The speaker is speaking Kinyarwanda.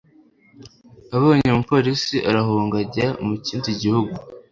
Abonye umupolisi arahunga ajya mu kindi gihugu